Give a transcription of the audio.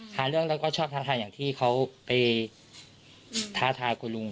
หาเรื่องแล้วก็ชอบท้าทายอย่างที่เขาไปท้าทายคุณลุง